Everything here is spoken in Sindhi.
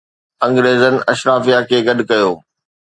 انگريزن اشرافيه کي گڏ ڪيو.